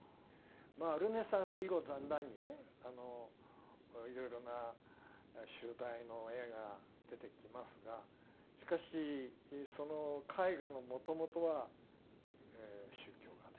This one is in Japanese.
ルネサンス以後だんだんにねいろいろな主題の絵が出てきますがしかしその絵画のもともとは宗教画で。